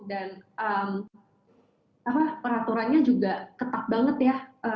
dan peraturannya juga ketat banget ya